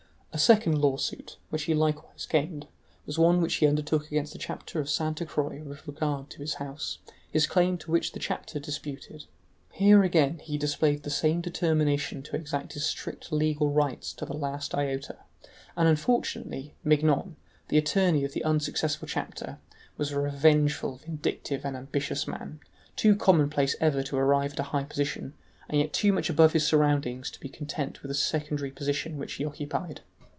A second lawsuit, which he likewise gained; was one which he undertook against the chapter of Sainte Croix with regard to a house, his claim to which the chapter, disputed. Here again he displayed the same determination to exact his strict legal rights to the last iota, and unfortunately Mignon, the attorney of the unsuccessful chapter, was a revengeful, vindictive, and ambitious man; too commonplace ever to arrive at a high position, and yet too much above his surroundings to be content with the secondary position which he occupied.